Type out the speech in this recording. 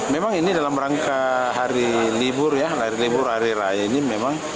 memang ini dalam rangka hari libur ya hari libur hari raya ini memang